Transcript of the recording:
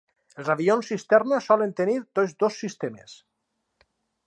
Els avions cisterna solen tenir tots dos sistemes.